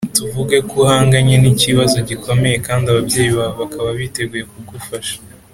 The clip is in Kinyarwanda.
Tuvuge ko uhanganye n ikibazo gikomeye kandi ababyeyi bawe bakaba biteguye kugufasha